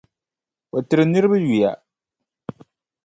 O tiri niriba nyuya.